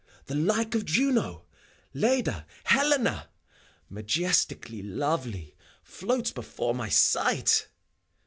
The like of Juno, Leda, Helena, Majestically lovely, floats before my sight!